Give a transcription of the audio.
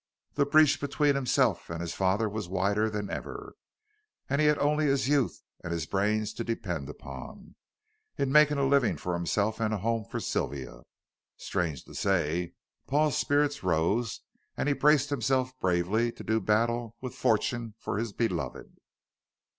The breach between himself and his father was wider than ever, and he had only his youth and his brains to depend upon, in making a living for himself and a home for Sylvia. Strange to say, Paul's spirits rose, and he braced himself bravely to do battle with fortune for his beloved.